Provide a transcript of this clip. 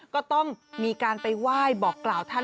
ก็ต้องมีการไปไหว้บอกกล่าวท่าน